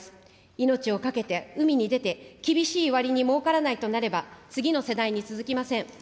命を懸けて海に出て、厳しいわりにもうからないとなれば、次の世代に続きません。